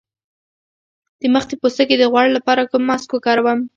د مخ د پوستکي د غوړ لپاره کوم ماسک وکاروم؟